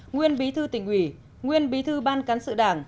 nguyên bí thư tỉnh ủy nguyên bí thư ban cán sự đảng